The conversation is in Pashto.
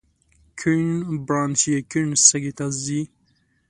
کیڼ برانش یې کیڼ سږي ته ځي.